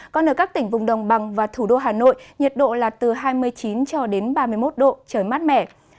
còn ở các tỉnh vùng đồng bằng và thủ đô hà nội nhiệt độ là từ hai mươi chín cho đến ba mươi một độ trời mát mẻ